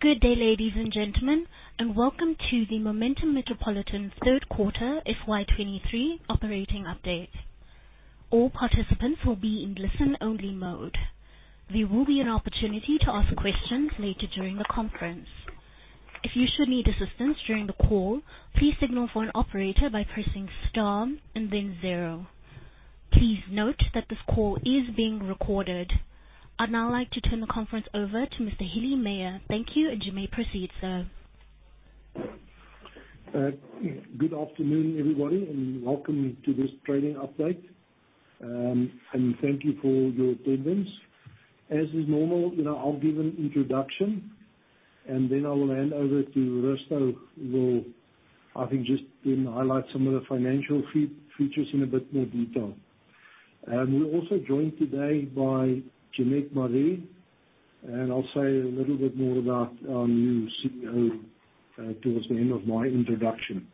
Good day, ladies and gentlemen, and welcome to the Momentum Metropolitan third quarter FY 2023 operating update. All participants will be in listen-only mode. There will be an opportunity to ask questions later during the conference. If you should need assistance during the call, please signal for an operator by pressing Star and then zero. Please note that this call is being recorded. I'd now like to turn the conference over to Mr. Hillie Meyer. Thank you, and you may proceed, sir. Good afternoon, everybody, and welcome to this trading update. Thank you for your attendance. As is normal, you know, I'll give an introduction, and then I will hand over to Risto, who will just then highlight some of the financial features in a bit more detail. We're also joined today by Jeanette Marais, and I'll say a little bit more about our new CEO towards the end of my introduction.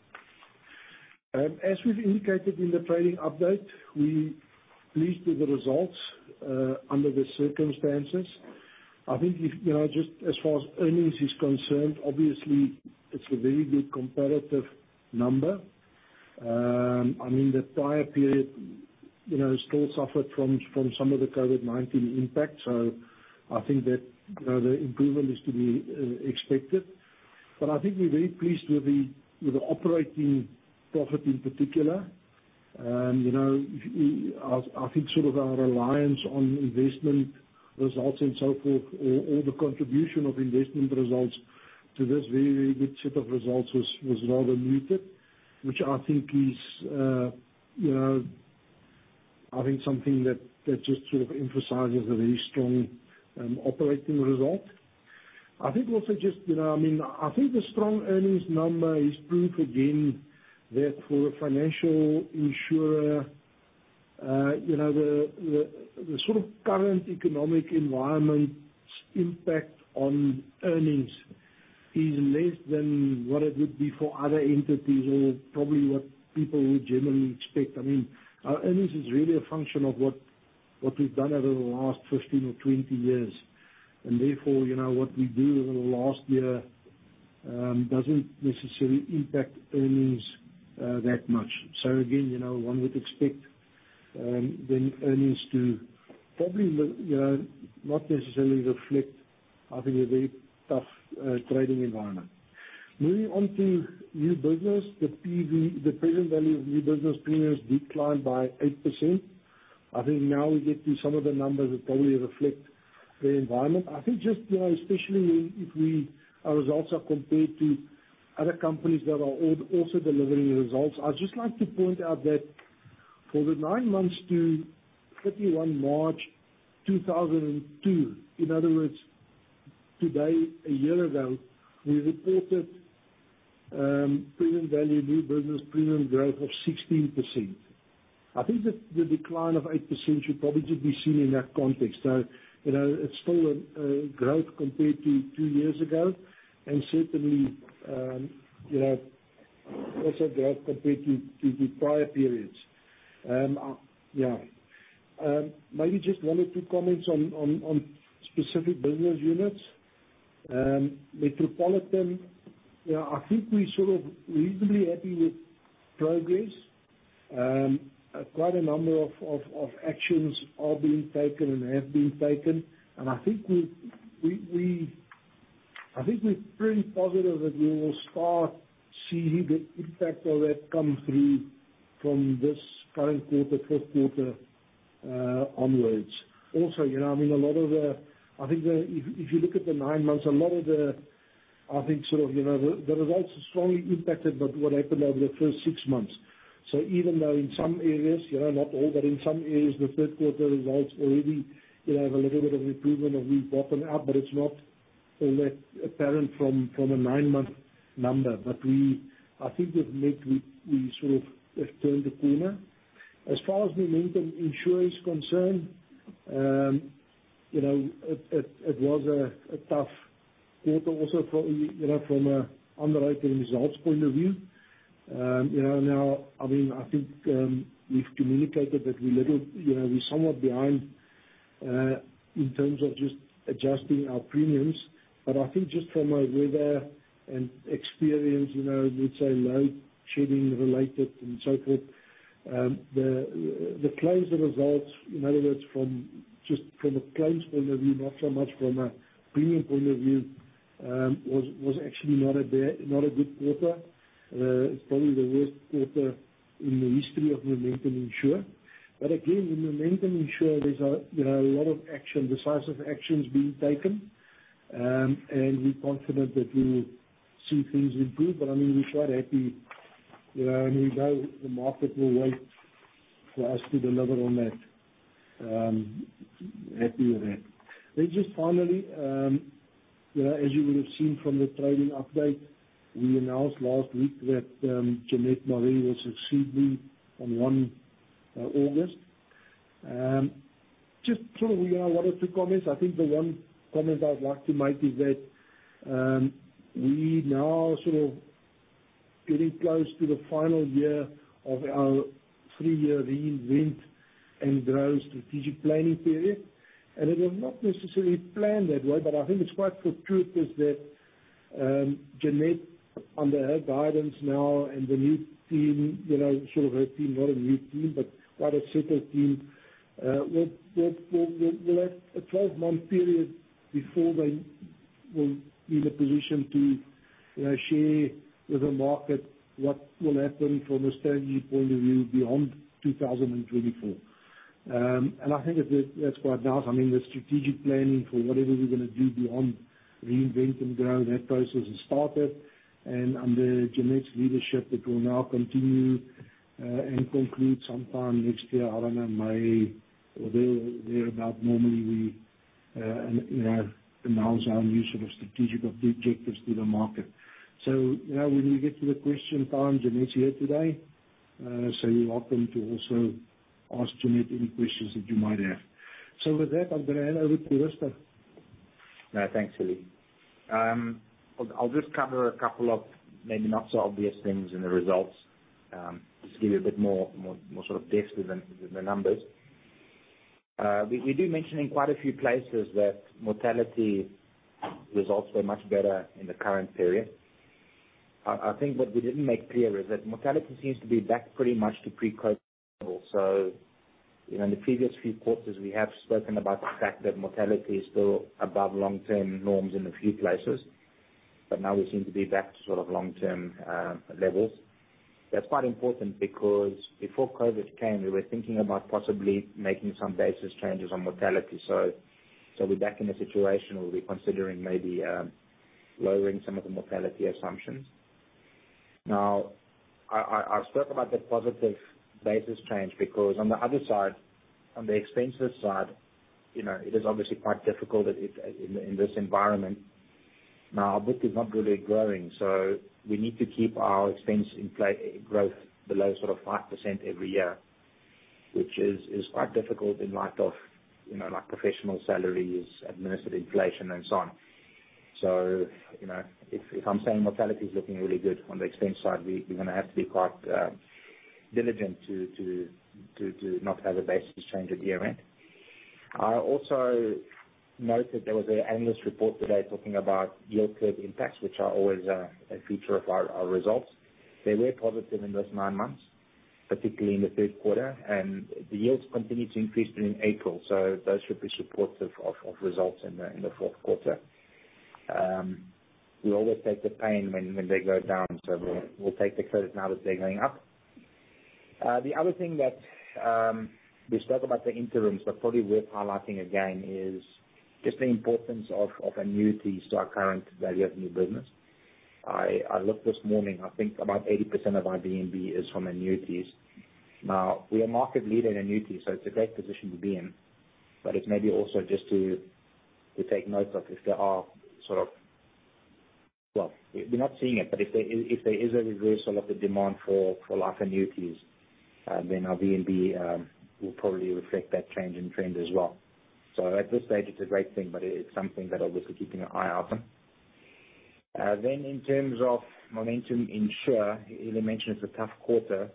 As we've indicated in the trading update, we pleased with the results under the circumstances. If, you know, just as far as earnings is concerned, obviously it's a very good comparative number. I mean, the prior period, you know, still suffered from some of the COVID-19 impact, so that, you know, the improvement is to be expected. I think we're very pleased with the operating profit in particular. You know, I think sort of our reliance on investment results and so forth, or the contribution of investment results to this very, very good set of results was rather muted. Which I think is, you know, I think something that just sort of emphasizes a very strong operating result. I think also just, you know, I mean, I think the strong earnings number is proof again, that for a financial insurer, you know, the sort of current economic environment's impact on earnings is less than what it would be for other entities or probably what people would generally expect. I mean, our earnings is really a function of what we've done over the last 15 or 20 years. Therefore, you know, what we do over the last year, doesn't necessarily impact earnings that much. Again, you know, one would expect the earnings to probably you know, not necessarily reflect, I think, a very tough trading environment. Moving on to new business. The PV, the present value of new business premiums declined by 8%. I think now we get to some of the numbers that probably reflect the environment. I think just, you know, especially if our results are compared to other companies that are also delivering results. I'd just like to point out that for the nine months to 31 March 2002, in other words, today, a year ago, we reported, present value, new business premium growth of 16%. I think the decline of 8% should probably just be seen in that context. You know, it's still a growth compared to two years ago, and certainly, you know, also growth compared to the prior periods. Yeah. Maybe just one or two comments on specific business units. Metropolitan, you know, I think we're sort of reasonably happy with progress. Quite a number of actions are being taken and have been taken, and I think we... I think we're pretty positive that we will start seeing the impact of that come through from this current quarter, first quarter onwards. You know, I mean, a lot of the I think if you look at the 9 months, a lot of the, I think, sort of, you know, the results are strongly impacted by what happened over the first 6 months. Even though in some areas, you know, not all, but in some areas, the third quarter results already, you know, have a little bit of improvement and we bottom up, but it's not apparent from a 9-month number. I think we've made, we sort of have turned the corner. As far as Momentum Insure is concerned, you know, it was a tough quarter also from, you know, from an underwriting results point of view. You know, now, I mean, I think, we've communicated that you know, we're somewhat behind in terms of just adjusting our premiums. I think just from a weather and experience, you know, let's say, load-shedding related and so forth, the claims results, in other words, from a claims point of view, not so much from a premium point of view, was actually not a good quarter. It's probably the worst quarter in the history of Momentum Insure. Again, in Momentum Insure, there's you know, a lot of action, decisive actions being taken. We're confident that we will see things improve, but I mean, we're quite happy, you know, and we know the market will wait for us to deliver on that. Happy with that. Just finally, you know, as you would have seen from the trading update, we announced last week that Jeanette Marais will succeed me on 1 August. Just sort of, you know, one or two comments. I think the one comment I would like to make is that we now getting close to the final year of our 3-year Reinvent and Grow strategic planning period. It is not necessarily planned that way, but I think it's quite fortuitous that Jeanette, under her guidance now and the new team, you know, sort of her team, not a new team, but quite a settled team, will have a 12-month period before they will be in a position to share with the market what will happen from a strategy point of view beyond 2024. I think that's quite nice. I mean, the strategic planning for whatever we're gonna do beyond Reinvent and Grow, that process has started, and under Jeanette's leadership, it will now continue and conclude sometime next year. I don't know, May or there, thereabout, normally we, you know, announce our new sort of strategic objectives to the market. Now when we get to the question time, Jeanette's here today, so you're welcome to also ask Jeanette any questions that you might have. With that, I'm gonna hand over to Risto. Thanks, Hillie. I'll just cover a couple of maybe not so obvious things in the results, just to give you a bit more sort of depth within the numbers. We do mention in quite a few places that mortality results were much better in the current period. I think what we didn't make clear is that mortality seems to be back pretty much to pre-COVID level. You know, in the previous few quarters, we have spoken about the fact that mortality is still above long-term norms in a few places, but now we seem to be back to sort of long-term levels. That's quite important because before COVID came, we were thinking about possibly making some basis changes on mortality. So we're back in a situation where we're considering maybe lowering some of the mortality assumptions. I've spoken about the positive basis change because on the other side, on the expenses side, you know, it is obviously quite difficult in this environment. Our book is not really growing, so we need to keep our expense in place, growth below sort of 5% every year, which is quite difficult in light of, you know, like, professional salaries, administrative inflation, and so on. You know, if I'm saying mortality is looking really good on the expense side, we're gonna have to be quite diligent to not have a basis change at year-end. I also noted there was an analyst report today talking about yield curve impacts, which are always a feature of our results. They were positive in those nine months, particularly in the third quarter, and the yields continued to increase during April, so those should be supportive of results in the fourth quarter. We always take the pain when they go down, so we'll take the credit now that they're going up. The other thing that we spoke about the interims, but probably worth highlighting again, is just the importance of annuities to our current value of new business. I looked this morning, I think about 80% of our VNB is from annuities. We are market leader in annuities, so it's a great position to be in, but it's maybe also just to take note of if there are sort of... Well, we're not seeing it, but if there is a reversal of the demand for life annuities, then our VNB will probably reflect that change in trend as well. At this stage, it's a great thing, but it is something that obviously keeping an eye open. In terms of Momentum Insure, Hillie mentioned it's a tough quarter.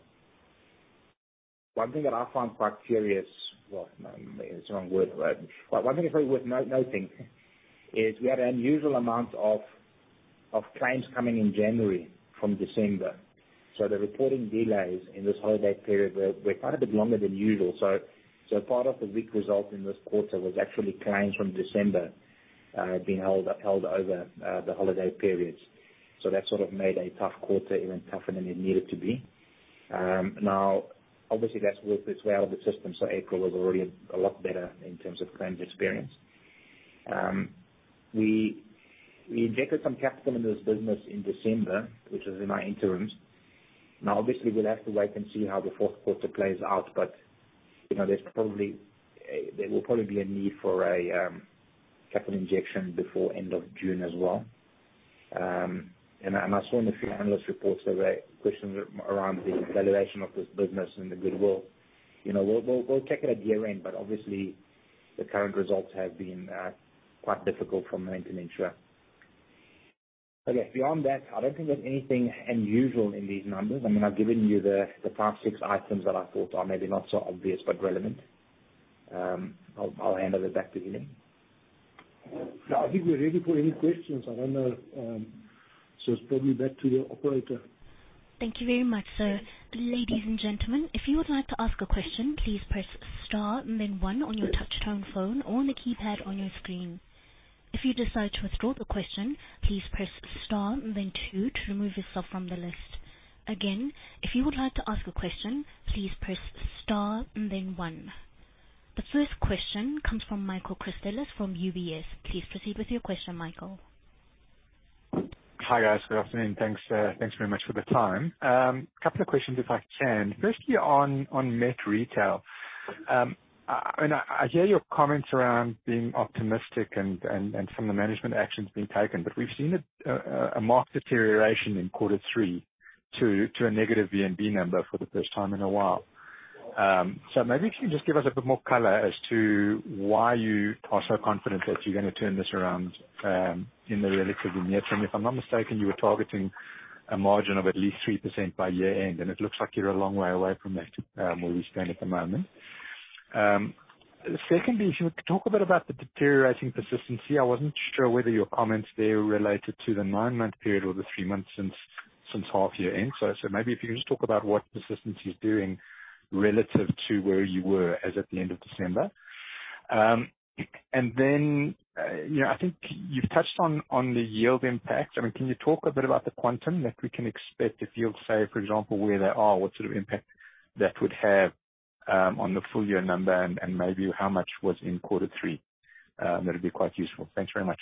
One thing that I found quite curious, well, it's the wrong word, but one thing probably worth noting, is we had an unusual amount of claims coming in January from December. The reporting delays in this holiday period were quite a bit longer than usual. Part of the weak result in this quarter was actually claims from December being held over the holiday period. That sort of made a tough quarter even tougher than it needed to be. Obviously, that's worked its way out of the system, April was already a lot better in terms of claims experience. We injected some capital into this business in December, which was in our interims. Obviously, we'll have to wait and see how the fourth quarter plays out, but, you know, there will probably be a need for a capital injection before end of June as well. And I saw in a few analyst reports that there were questions around the valuation of this business and the goodwill. You know, we'll check it at year-end, but obviously, the current results have been quite difficult from Momentum Insure. Yeah, beyond that, I don't think there's anything unusual in these numbers. I mean, I've given you the five, six items that I thought are maybe not so obvious but relevant. I'll hand over back to Willie. I think we're ready for any questions. I don't know, so it's probably back to the operator. Thank you very much, sir. Ladies and gentlemen, if you would like to ask a question, please press star and then one on your touchtone phone or on the keypad on your screen. If you decide to withdraw the question, please press star and then two to remove yourself from the list. Again, if you would like to ask a question, please press star and then one. The first question comes from Michael Christelis from UBS. Please proceed with your question, Michael. Hi, guys. Good afternoon. Thanks, thanks very much for the time. Couple of questions, if I can. Firstly, on Metropolitan Retail, and I hear your comments around being optimistic and some of the management actions being taken, but we've seen a marked deterioration in Q3 to a negative VNB number for the first time in a while. So maybe if you can just give us a bit more color as to why you are so confident that you're gonna turn this around in the relatively near term. If I'm not mistaken, you were targeting a margin of at least 3% by year-end, and it looks like you're a long way away from that where we stand at the moment. Secondly, if you could talk a bit about the deteriorating persistency. I wasn't sure whether your comments there related to the nine-month period or the 3 months since half-year end. So maybe if you can just talk about what persistency is doing relative to where you were as at the end of December. you know, I think you've touched on the yield impact. I mean, can you talk a bit about the quantum that we can expect if you'll say, for example, where they are, what sort of impact that would have on the full year number and maybe how much was in quarter three? That'd be quite useful. Thanks very much.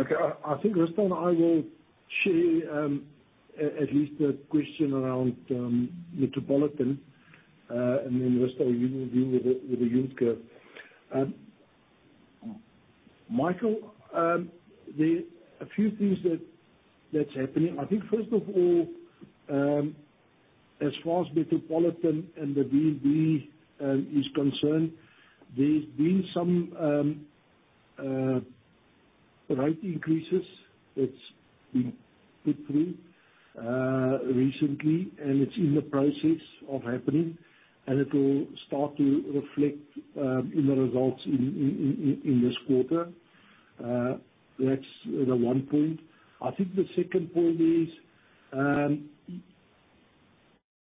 Okay. I think Risto and I will share at least a question around Metropolitan, and then Risto, you will deal with the Juncker. Michael, there are a few things that's happening. I think, first of all, as far as Metropolitan and the VNB is concerned, there's been some rate increases that's been put through recently, and it's in the process of happening, and it will start to reflect in the results in this quarter. That's the one point. I think the second point is,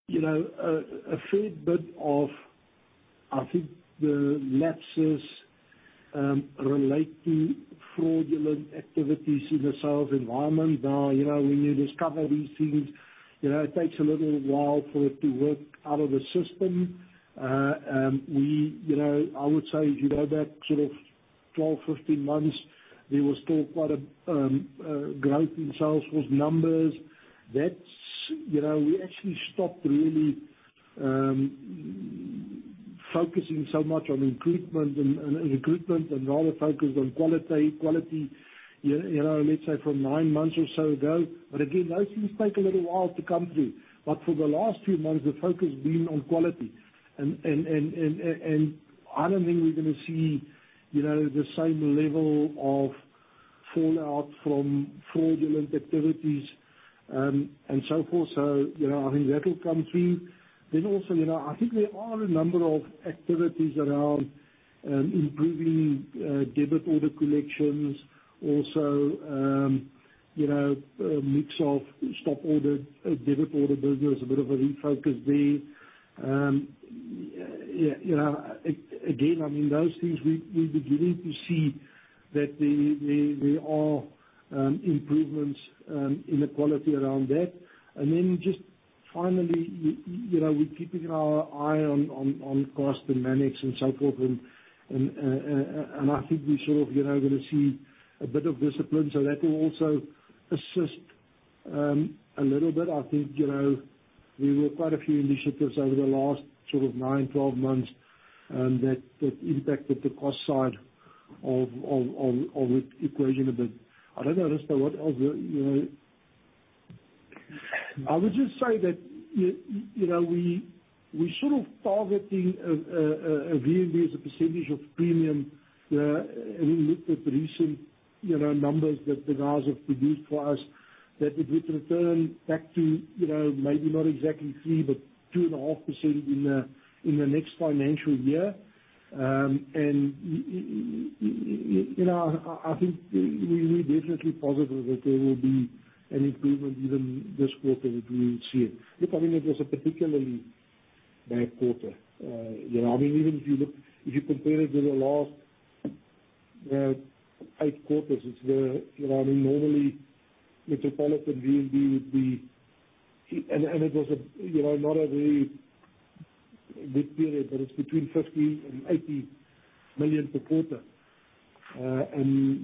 you know, a fair bit of I think the lapses relate to fraudulent activities in the sales environment. When you discover these things, you know, it takes a little while for it to work out of the system. We, you know, I would say if you go back sort of 12, 15 months, there was still quite a growth in sales with numbers. That's, you know, we actually stopped really focusing so much on recruitment and recruitment and rather focused on quality, you know, let's say from 9 months or so ago. Again, those things take a little while to come through. For the last few months, the focus been on quality. I don't think we're gonna see, you know, the same level of fallout from fraudulent activities and so forth. You know, I think that will come through. Also, you know, I think there are a number of activities around improving debit order collections. Also, you know, a mix of stop order, debit order business, a bit of a refocus there. Yeah, you know, again, I mean, those things, we're beginning to see that there are improvements in the quality around that. Just finally, you know, we're keeping our eye on cost and manage and so forth, and I think we sort of, you know, gonna see a bit of discipline, that will also assist a little bit. I think, you know, there were quite a few initiatives over the last sort of 9, 12 months that impacted the cost side of the equation a bit. I don't know, Risto, what else, you know. I would just say that, you know, we're sort of targeting a VNB as a percentage of premium, and we look at the recent, you know, numbers that the guys have produced for us, that it would return back to, you know, maybe not exactly 3, but 2.5% in the next financial year. You know, I think we're definitely positive that there will be an improvement even this quarter that we will see it. Look, I mean, it was a particularly bad quarter. You know, I mean, even if you look, if you compare it to the last eight quarters, it's, you know, I mean, normally, Metropolitan VNB would be... It was a, you know, not a very good period, but it's between 50 million and 80 million per quarter.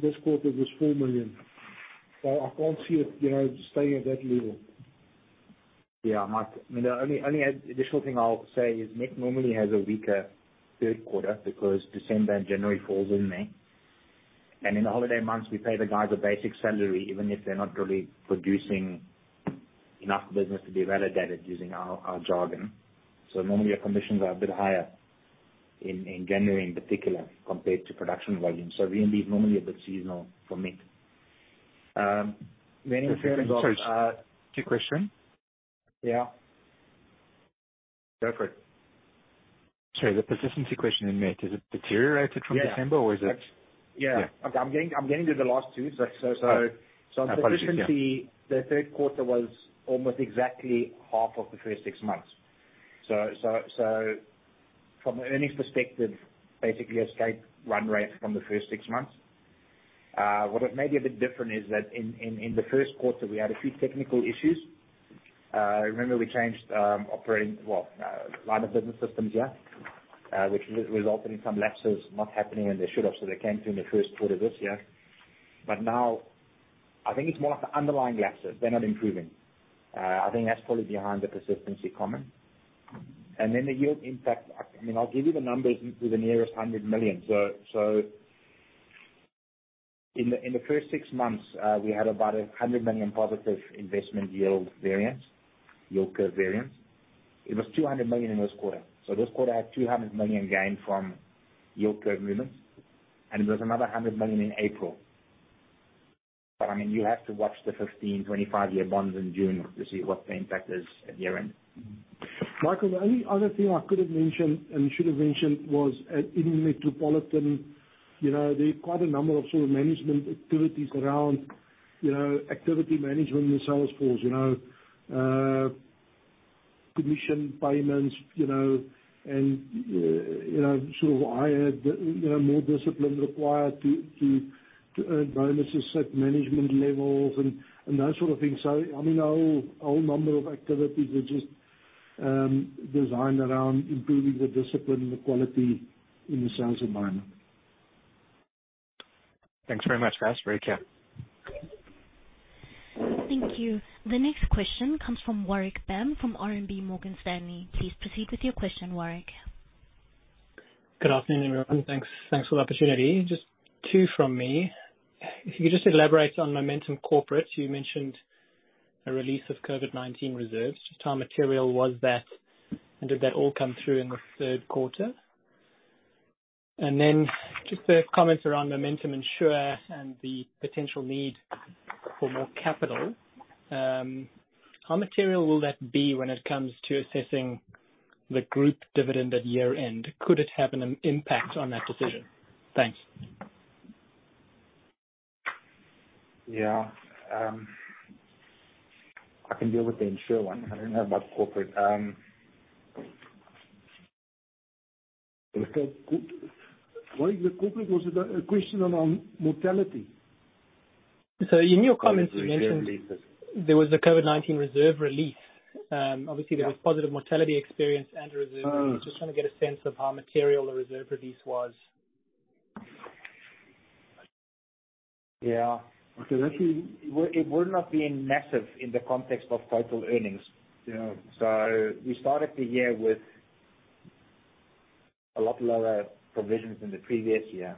This quarter was 4 million. I can't see it, you know, staying at that level. Yeah, Mark. I mean, the only additional thing I'll say is MiC normally has a weaker Q3, because December and January falls in May. In the holiday months, we pay the guys a basic salary, even if they're not really producing enough business to be validated using our jargon. Normally, our commissions are a bit higher in January, in particular, compared to production volumes. VNB is normally a bit seasonal for MiC. Sorry, the question? Yeah. Go for it. Sorry, the persistency question in MiC, has it deteriorated from December, or is it? Yeah. Yeah. Okay, I'm getting to the last two. Right. Persistency. Apologies. Yeah. The third quarter was almost exactly half of the first 6 months. From an earnings perspective, basically a straight run rate from the first 6 months. What it may be a bit different is that in the first quarter, we had a few technical issues. Remember we changed, operating, well, line of business systems, yeah, which resulted in some lapses not happening when they should have, so they came through in the first quarter this year. Now, I think it's more of the underlying lapses, they're not improving. I think that's probably behind the persistency comment. Then the yield impact, I mean, I'll give you the numbers to the nearest 100 million. In the first 6 months, we had about a 100 million positive investment yield variance, yield curve variance. It was 200 million in this quarter. This quarter had 200 million gain from yield curve movement, and it was another 100 million in April. I mean, you have to watch the 15, 25 year bonds in June to see what the impact is at year-end. Michael, the only other thing I could have mentioned, and should have mentioned, was in Metropolitan, you know, there are quite a number of sort of management activities around, you know, activity management in the sales force, you know, commission payments, you know, and, you know, sort of higher, you know, more discipline required to earn bonuses at management levels and, that sort of thing. I mean, a whole number of activities are just designed around improving the discipline, the quality in the sales environment. Thanks very much, guys. Very clear. Thank you. The next question comes from Warwick Bam from RMB Morgan Stanley. Please proceed with your question, Warwick. Good afternoon, everyone. Thanks for the opportunity. Just two from me. If you could just elaborate on Momentum Corporate, you mentioned a release of COVID-19 reserves. Just how material was that, and did that all come through in the third quarter? Then just the comments around Momentum Insure and the potential need for more capital. How material will that be when it comes to assessing the group dividend at year-end? Could it have an impact on that decision? Thanks. Yeah. I can deal with the Insure one. I don't know about Corporate. Why the corporate? Was it a question on mortality? In your comments, you mentioned-. Reserve releases. There was a COVID-19 reserve release. Obviously there was positive mortality experience and a reserve release. Just trying to get a sense of how material the reserve release was. Okay. It would not be massive in the context of total earnings. We started the year with a lot lower provisions than the previous year.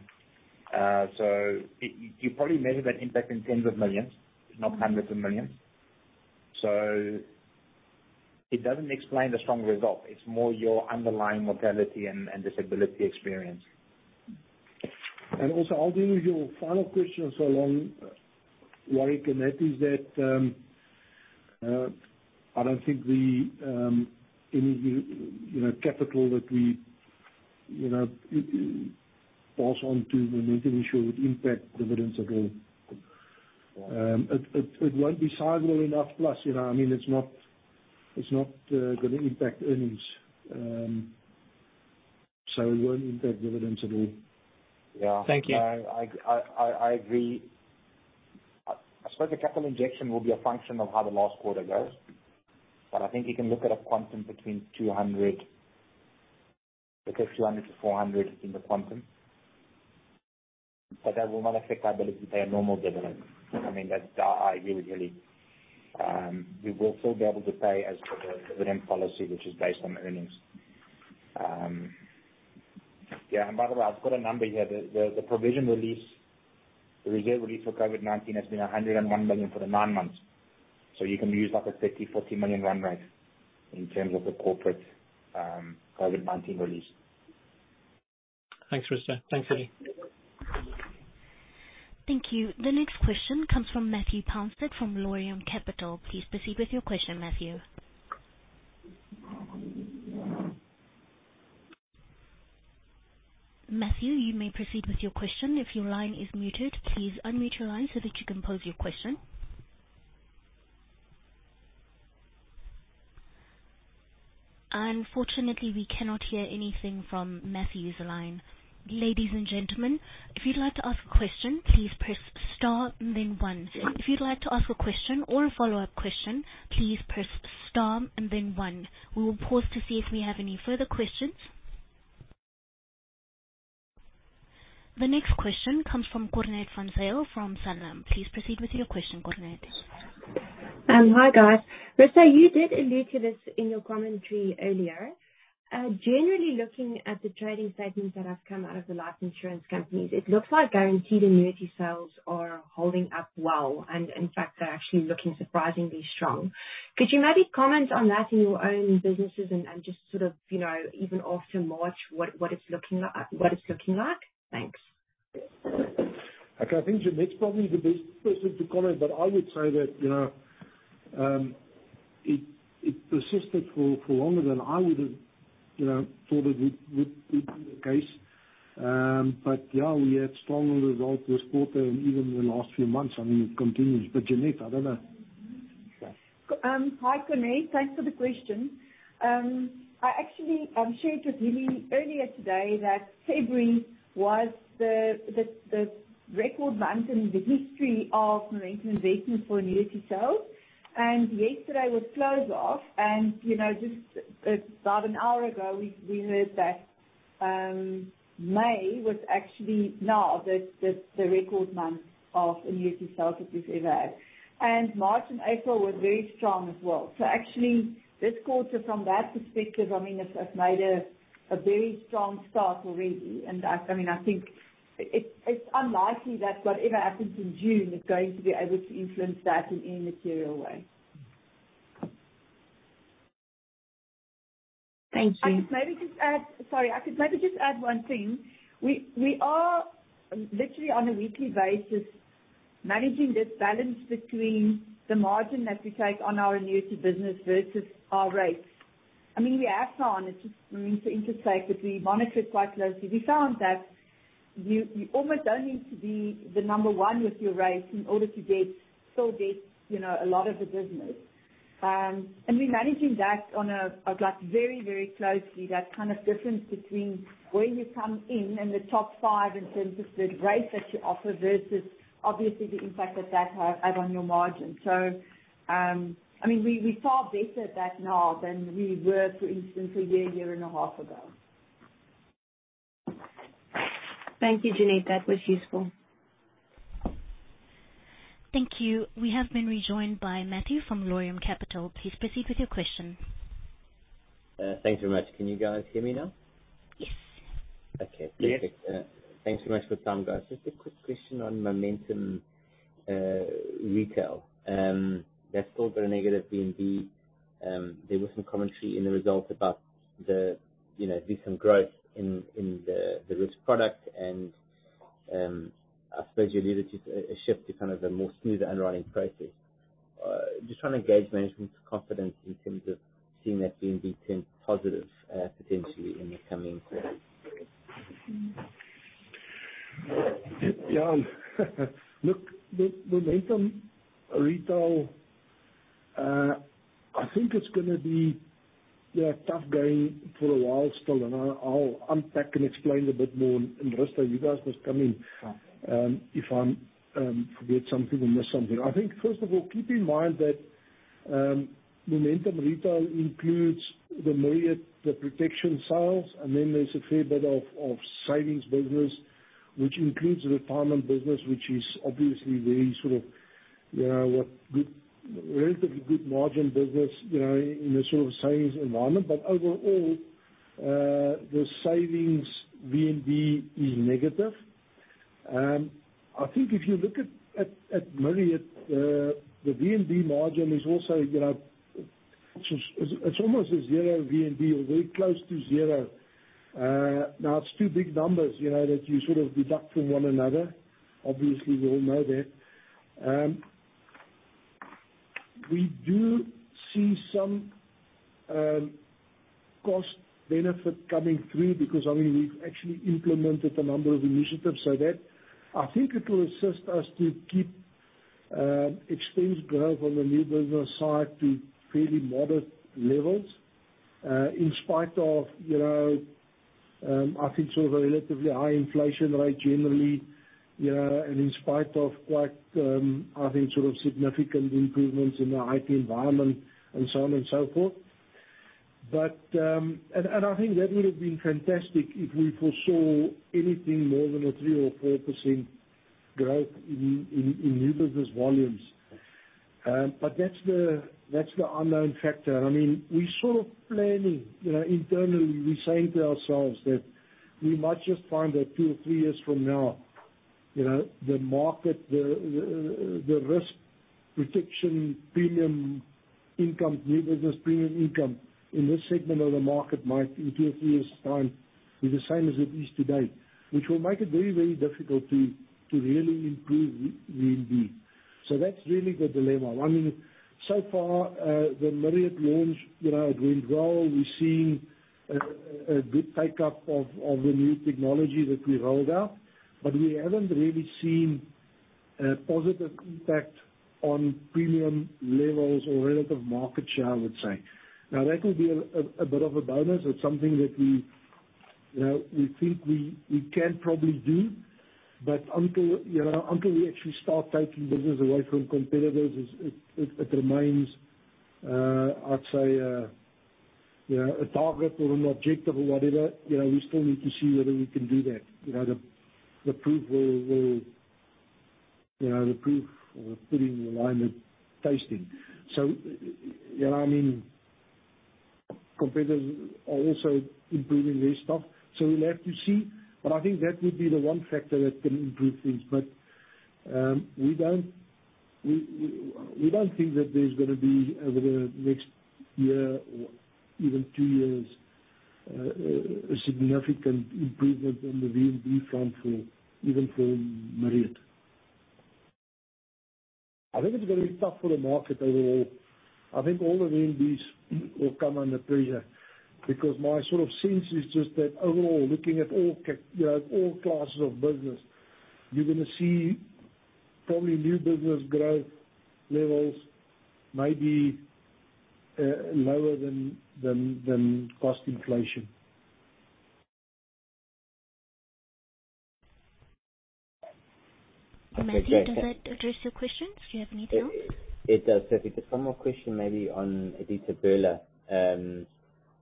You probably measure that impact in ZAR tens of millions, if not ZAR hundreds of millions. It doesn't explain the strong result. It's more your underlying mortality and disability experience. I'll deal with your final question as well, Warwick, and that is that, I don't think the, any, you know, capital that we, you know, pass on to Momentum Insure would impact dividends at all. It won't be sizable enough. You know, I mean, it's not, it's not, gonna impact earnings, so it won't impact dividends at all. Thank you. Yeah, I agree. I suppose the capital injection will be a function of how the last quarter goes, but I think you can look at a quantum between 200 million-400 million. That will not affect our ability to pay a normal dividend. I mean, that, I agree with you. We will still be able to pay as per the dividend policy, which is based on earnings. Yeah, and by the way, I've got a number here. The provision release, the reserve release for COVID-19 has been 101 million for the 9 months. You can use, like, a 30 million-40 million run rate in terms of the corporate COVID-19 release. Thanks, Risto. Thanks, Willie. Thank you. The next question comes from Matthew Pouncett from Laurium Capital. Please proceed with your question, Matthew. Matthew, you may proceed with your question. If your line is muted, please unmute your line so that you can pose your question. Unfortunately, we cannot hear anything from Matthew's line. Ladies and gentlemen, if you'd like to ask a question, please press star and then one. If you'd like to ask a question or a follow-up question, please press star and then one. We will pause to see if we have any further questions. The next question comes from Cornette van Zyl from Sanlam. Please proceed with your question, Cornet. Hi, guys. Risto, you did allude to this in your commentary earlier. Generally looking at the trading statements that have come out of the life insurance companies, it looks like guaranteed annuity sales are holding up well, and in fact, they're actually looking surprisingly strong. Could you maybe comment on that in your own businesses and just sort of, you know, even after March, what it's looking like? Thanks. Okay, I think Jeanette's probably the best person to comment, but I would say that, you know, it persisted for longer than I would have, you know, thought it would be the case. Yeah, we had stronger results this quarter and even the last few months. I mean, it continues. Jeanette, I don't know. Hi, Cornet. Thanks for the question. I actually shared with Willie earlier today that February was the record month in the history of Momentum Investments for annuity sales. Yesterday was closed off, and, you know, just about an hour ago, we heard that May was actually now the record month of annuity sales that we've ever had. March and April were very strong as well. Actually, this quarter, from that perspective, I mean, it's made a very strong start already. I mean, I think it's unlikely that whatever happens in June is going to be able to influence that in any material way. Thank you. I could maybe just add, sorry, one thing. We are literally on a weekly basis, managing this balance between the margin that we take on our annuity business versus our rates. I mean, we have found, it's just for me to interject, that we monitor it quite closely. We found that you almost don't need to be the number one with your rates in order to get, still get, you know, a lot of the business. We're managing that on a, like, very, very closely, that kind of difference between where you come in the top five in terms of the rate that you offer versus obviously the impact that that have on your margin. I mean, we far better at that now than we were, for instance, a year and a half ago. Thank you, Jeanette. That was useful. Thank you. We have been rejoined by Matthew from Laurium Capital. Please proceed with your question. Thanks very much. Can you guys hear me now? Yes. Okay, perfect. Yes. Thanks so much for your time, guys. Just a quick question on Momentum Retail. That's still been a negative VNB. There was some commentary in the results about the, you know, decent growth in the risk product and, I suppose you alluded to a shift to kind of a more smoother underwriting process. Just trying to gauge management's confidence in terms of seeing that VNB turn positive, potentially in the coming quarter. Yeah. Look, the Momentum Retail, I think it's gonna be, yeah, a tough game for a while still, and I'll unpack and explain a bit more in rest time. You guys must come in, if I'm forget something or miss something. I think, first of all, keep in mind that Momentum Retail includes the Myriad, the protection sales, and then there's a fair bit of savings business, which includes retirement business, which is obviously very sort of, you know, a good... relatively good margin business, you know, in a sort of savings environment. Overall, the savings VNB is negative. I think if you look at Myriad, the VNB margin is also, you know, it's almost a zero VNB or very close to zero. Now, it's 2 big numbers, you know, that you sort of deduct from one another. Obviously, we all know that. We do see some cost benefit coming through, because, I mean, we've actually implemented a number of initiatives. That, I think it will assist us to keep expense growth on the new business side to fairly moderate levels. In spite of, you know, I think sort of a relatively high inflation rate generally, you know, and in spite of quite, I think, sort of significant improvements in the IT environment and so on and so forth. And I think that would have been fantastic if we foresaw anything more than a 3% or 4% growth in, in new business volumes. That's the, that's the unknown factor. I mean, we're sort of planning, you know, internally, we're saying to ourselves that we might just find that two or three years from now, you know, the market, the risk protection, premium income, new business premium income in this segment of the market might, in two or three years' time, be the same as it is today. Which will make it very difficult to really improve VNB. That's really the dilemma. I mean, so far, the Myriad launch, you know, it went well. We're seeing a good take-up of the new technology that we rolled out, but we haven't really seen a positive impact on premium levels or relative market share, I would say. That will be a bit of a bonus. It's something that we, you know, we think we can probably do, but until, you know, until we actually start taking business away from competitors, it remains, I'd say, you know, a target or an objective or whatever. You know, we still need to see whether we can do that. You know, the proof will, you know, the proof will put in the line of testing. I mean competitors are also improving their stuff, so we'll have to see. I think that would be the one factor that can improve things. We don't think that there's gonna be, over the next year or even 2 years, a significant improvement on the VNB front for... even for Myriad. I think it's gonna be tough for the market overall. I think all the VNBs will come under pressure. Because my sort of sense is just that overall, looking at all you know, all classes of business, you're gonna see probably new business growth levels maybe lower than cost inflation. Matthew, does that address your questions? Do you have anything else? It does. Perfect. Just one more question, maybe on Aditya Birla.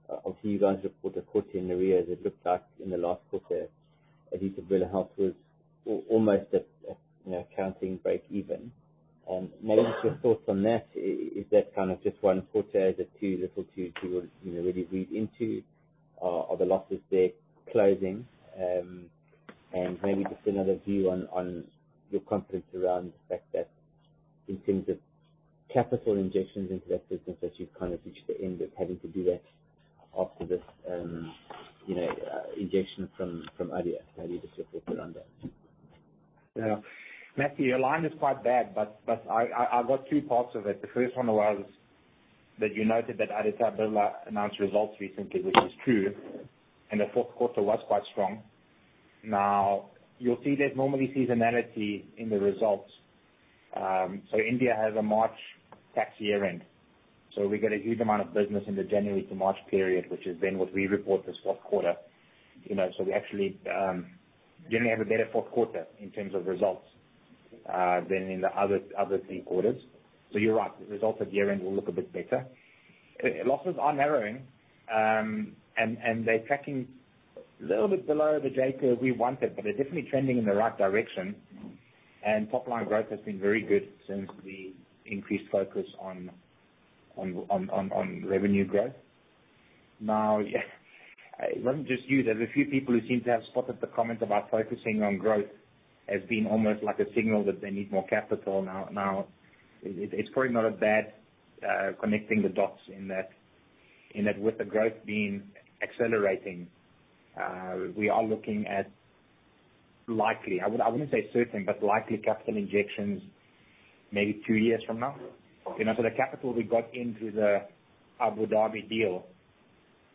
I'll see you guys report a quarter in the rear, as it looked like in the last quarter, Aditya Birla Health was almost at, you know, counting break even. Maybe just your thoughts on that. Is that kind of just one quarter, is it too little to, you know, really read into? Are the losses there closing? Maybe just another view on your confidence around the fact that in terms of capital injections into that business, that you've kind of reached the end of having to do that after this, you know, injection from Aditya, how you just reflected on that? Yeah. Matthew, your line is quite bad, but I got two parts of it. The first one was that you noted that Aditya Birla announced results recently, which is true, and the fourth quarter was quite strong. You'll see there's normally seasonality in the results. India has a March tax year-end, so we get a huge amount of business in the January to March period, which is then what we report as fourth quarter. You know, we actually generally have a better fourth quarter in terms of results than in the other three quarters. You're right, the results at year-end will look a bit better. Losses are narrowing, and they're tracking a little bit below the rate curve we wanted, but they're definitely trending in the right direction. Top-line growth has been very good since we increased focus on revenue growth. It wasn't just you. There's a few people who seem to have spotted the comment about focusing on growth as being almost like a signal that they need more capital now. It's probably not a bad connecting the dots in that with the growth being accelerating, we are looking at likely, I wouldn't say certain, but likely capital injections maybe two years from now. You know, the capital we got in through the Abu Dhabi deal,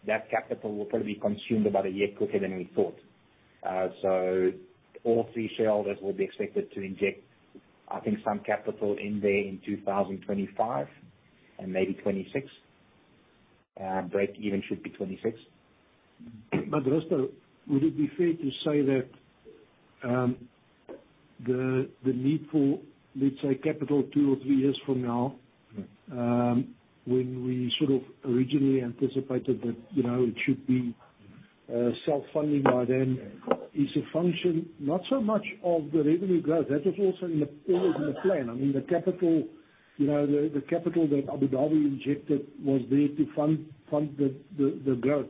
that capital will probably be consumed about one year quicker than we thought. All three shareholders will be expected to inject, I think, some capital in there in 2025, and maybe 2026. Breakeven should be 2026. Risto, would it be fair to say that the need for, let's say, capital two or three years from now, when we sort of originally anticipated that, you know, it should be self-funding by then, is a function, not so much of the revenue growth, that was also always in the plan. I mean, the capital, you know, the capital that Abu Dhabi injected was there to fund the growth.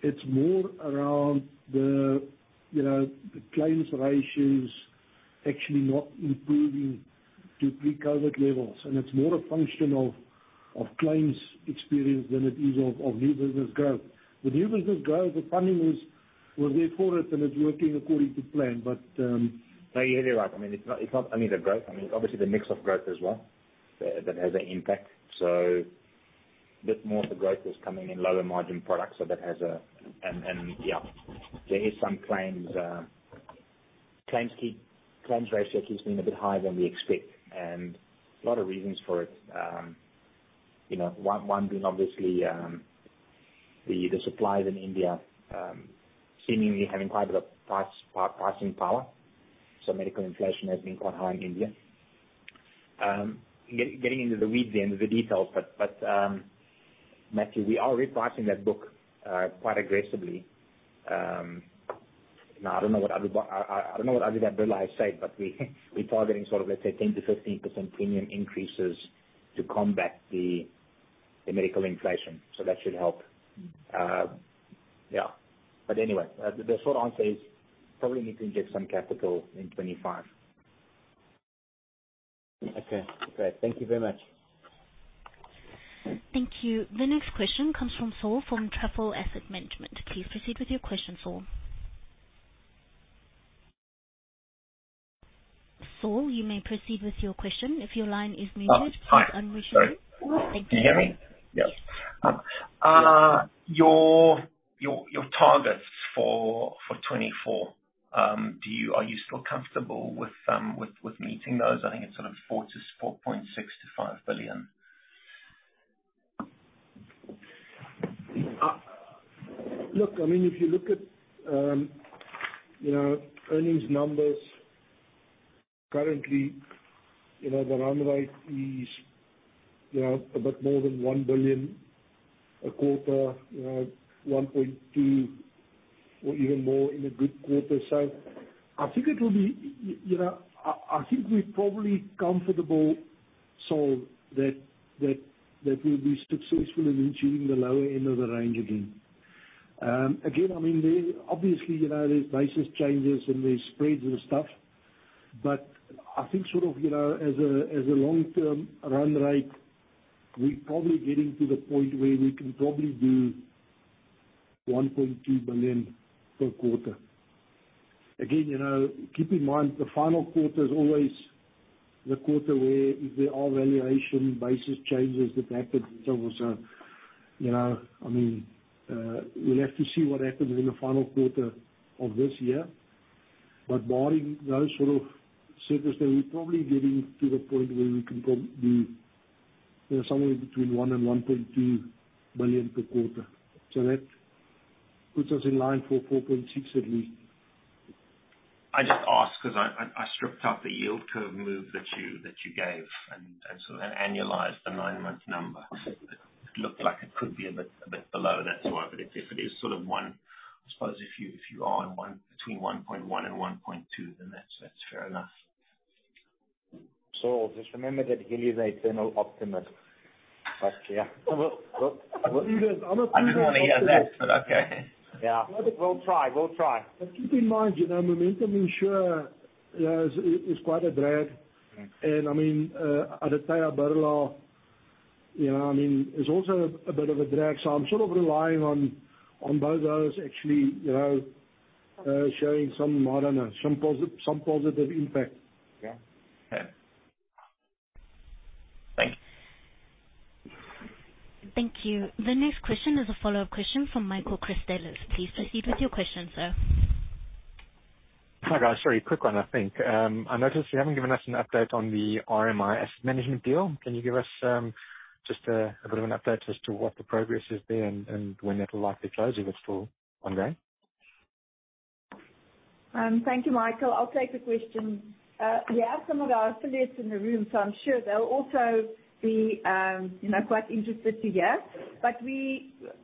It's more around the, you know, the claims ratios actually not improving to pre-COVID levels, and it's more a function of claims experience than it is of new business growth. The new business growth, the funding was there for it, and it's working according to plan. No, you're right. I mean, it's not only the growth, I mean, obviously the mix of growth as well that has an impact. A bit more of the growth is coming in lower margin products, so that has a.... And, yeah, there is some claims ratio keeps being a bit higher than we expect, and a lot of reasons for it. You know, one being obviously the suppliers in India seemingly having quite a bit of pricing power, so medical inflation has been quite high in India. Getting into the weeds and the details, but Matthew, we are repricing that book quite aggressively. Now, I don't know what Aditya Birla has said, but we're targeting sort of, let's say, 10%-15% premium increases to combat the medical inflation, so that should help. Yeah. Anyway, the short answer is, probably need to inject some capital in 2025. Okay. Great. Thank you very much. Thank you. The next question comes from Saul, from Truffle Asset Management. Please proceed with your question, Saul. Saul, you may proceed with your question. If your line is muted- Hi. Sorry. Unmute yourself. Can you hear me? Yes. Yes. Your targets for 2024, Are you still comfortable with meeting those? I think it's sort of 4 billion-4.6 billion-ZAR 5 billion. Look, I mean, if you look at, you know, earnings numbers, currently, you know, the run rate is, you know, a bit more than 1 billion a quarter, you know, 1.2 or even more in a good quarter. I think it will be. You know, I think we're probably comfortable, Saul, that we'll be successful in achieving the lower end of the range again. Again, I mean, there, obviously, you know, there's basis changes and there's spreads and stuff, but I think sort of, you know, as a long-term run rate, we're probably getting to the point where we can probably do 1.2 billion per quarter. You know, keep in mind, the final quarter is always the quarter where there are valuation basis changes that happened. I mean, we'll have to see what happens in the final quarter of this year. Barring those sort of circumstances, we're probably getting to the point where we can be, you know, somewhere between 1 billion and 1.2 billion per quarter. That puts us in line for 4.6 billion at least. I just asked because I stripped out the yield curve move that you gave and sort of annualized the nine-month number. It looked like it could be a bit below that sort, but if it is sort of one, I suppose if you are on one, between 1.1 and 1.2, then that's fair enough. Just remember that Hillie is an eternal optimist. I didn't want to hear that, but okay. Yeah. We'll try. We'll try. Keep in mind, you know, Momentum Insure is quite a drag. I mean, Aditya Birla, you know, I mean, is also a bit of a drag. I'm sort of relying on both those actually, you know, showing some, I don't know, some positive impact. Yeah. Okay. Thank you. Thank you. The next question is a follow-up question from Michael Christelis. Please proceed with your question, sir. Hi, guys. Very quick one, I think. I noticed you haven't given us an update on the RMI asset management deal. Can you give us just a bit of an update as to what the progress is there and when it'll likely close, if it's still ongoing? Thank you, Michael. I'll take the question. We have some of our affiliates in the room, so I'm sure they'll also be, you know, quite interested to hear.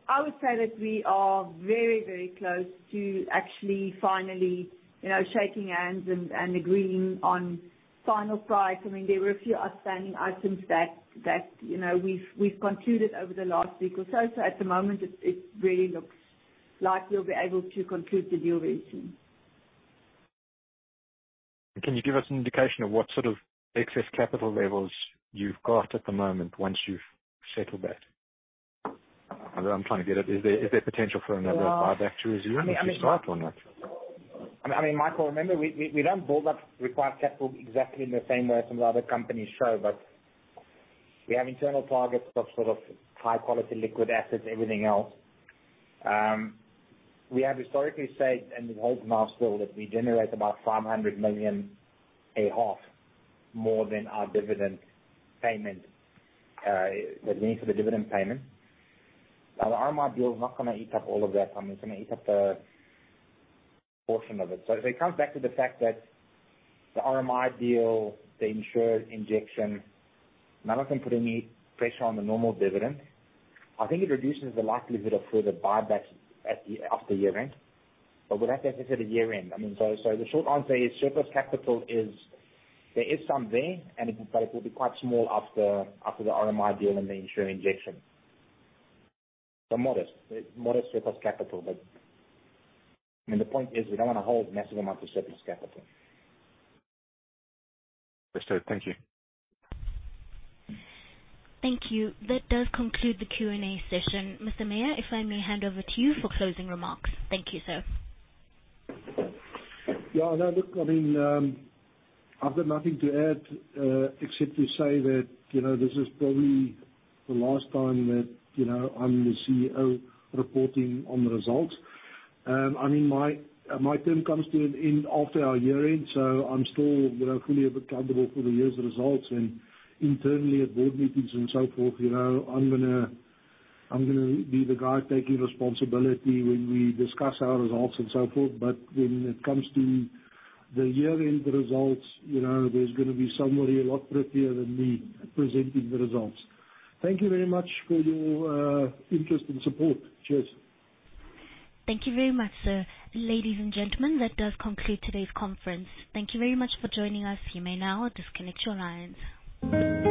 I would say that we are very, very close to actually finally, you know, shaking hands and agreeing on final price. I mean, there were a few outstanding items that, you know, we've concluded over the last week or so. At the moment, it really looks like we'll be able to conclude the deal very soon. Can you give us an indication of what sort of excess capital levels you've got at the moment once you've settled that? I'm trying to get at, is there potential for another buyback to resume, or is it not, or not? I mean, Michael, remember, we don't build up required capital exactly in the same way some of the other companies show, but we have internal targets of sort of high quality, liquid assets, everything else. We have historically said, and it holds now still, that we generate about 500 million a half more than our dividend payment that we need for the dividend payment. The RMI deal is not gonna eat up all of that. I mean, it's gonna eat up a portion of it. It comes back to the fact that the RMI deal, the insurer injection, none of them put any pressure on the normal dividend. I think it reduces the likelihood of further buybacks after year-end. Would that be at a year-end? I mean, so the short answer is surplus capital is, there is some there, and it, but it will be quite small after the RMI deal and the insurer injection. Modest surplus capital, but, I mean, the point is, we don't want to hold massive amounts of surplus capital. Understood. Thank you. Thank you. That does conclude the Q&A session. Mr. Meyer, if I may hand over to you for closing remarks. Thank you, sir. Yeah, no, look, I mean, I've got nothing to add, except to say that, you know, this is probably the last time that, you know, I'm the CEO reporting on the results. I mean, my term comes to an end after our year-end, so I'm still, you know, fully accountable for the year's results, and internally at board meetings and so forth, you know, I'm gonna, I'm gonna be the guy taking responsibility when we discuss our results and so forth. When it comes to the year-end results, you know, there's gonna be somebody a lot prettier than me presenting the results. Thank you very much for your interest and support. Cheers! Thank you very much, sir. Ladies and gentlemen, that does conclude today's conference. Thank you very much for joining us. You may now disconnect your lines.